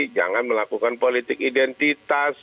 jangan melakukan politik identitas